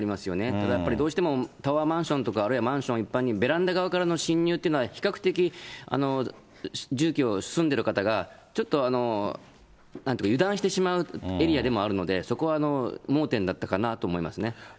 ただやっぱり、どうしてもタワーマンションとか、あるいはマンション一般に、ベランダ側からの侵入というのは、比較的、住居、住んでる方が、ちょっと油断してしまうエリアでもあるので、そこは盲点だったかなと思いますね。